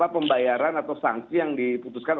pembayaran atau sanksi yang diputuskan